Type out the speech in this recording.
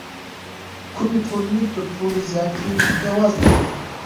کومې ټولنې تر ټولو زیاتې بېوزله دي؟